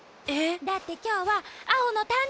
だってきょうはアオのたんじょうびでしょ？